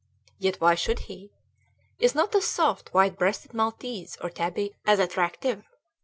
Yet why should he? Is not a soft, white breasted maltese or tabby as attractive?